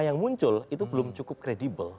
yang muncul itu belum cukup kredibel